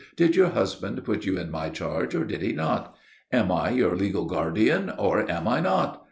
"Did your husband put you in my charge or did he not? Am I your legal guardian, or am I not?